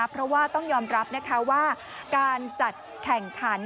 เพราะว่าต้องยอมรับนะคะว่าการจัดแข่งขัน